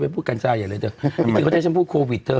พูดกัญชาใหญ่เลยเถอะจริงเขาได้ฉันพูดโควิดเธอ